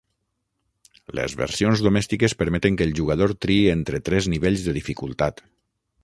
Les versions domèstiques permeten que el jugador triï entre tres nivells de dificultat.